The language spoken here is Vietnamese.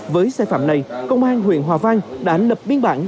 với xe phạm này công an huyện hòa vang đã ảnh lập biên bản